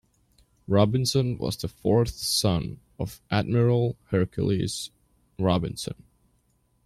Robinson was the fourth son of Admiral Hercules Robinson.